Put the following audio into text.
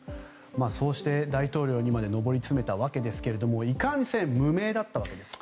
そうして大統領にまで上り詰めたわけですがいかんせん無名だったわけです。